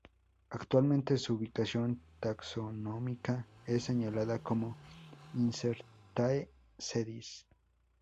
Actualmente su ubicación taxonómica es señalada como incertae sedis.